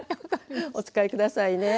お使い下さいね。